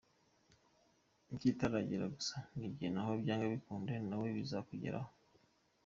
Ikitaragera gusa n’igihe naho byanga bikunda nawe bizakugeraho.